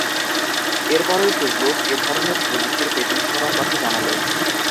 এরপরই ফেসবুক এ ধরনের প্রযুক্তির পেটেন্ট করার কথা জানাল।